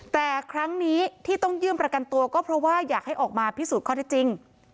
แต่ครั้งนี้ที่ต้องยื่นประกันตัวก็เพราะว่าอยากให้ออกมาพิสูจน์ข้อที่จริง